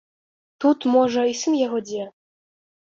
Тут, можа, і сын яго дзе.